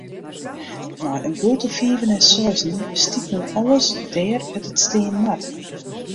Nei in bulte fiven en seizen stiet no alles dêr wêr't it stean moat.